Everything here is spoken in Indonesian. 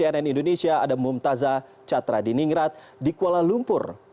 cnn indonesia ada mumtazah catra di ningrat di kuala lumpur